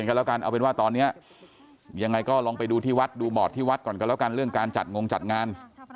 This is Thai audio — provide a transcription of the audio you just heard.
ก็แล้วกันเอาเป็นว่าตอนนี้ยังไงก็ลองไปดูที่วัดดูหมอดที่วัดก่อนกันแล้วกันเรื่องการจัดงงจัดงาน